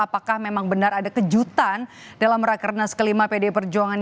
apakah memang benar ada kejutan dalam rekernas ke lima pdip perjuangan